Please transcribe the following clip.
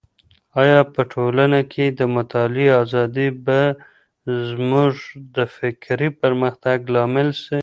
آيا په ټولنه کي د مطالعې ازادي به زموږ د فکري پرمختګ لامل سي؟